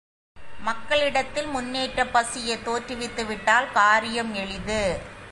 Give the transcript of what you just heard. மக்களிடத்தில் முன்னேற்றப் பசியைத் தோற்றுவித்துவிட்டால் காரியம் எளிது.